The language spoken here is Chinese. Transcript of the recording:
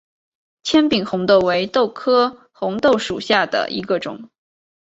纤柄红豆为豆科红豆属下的一个种。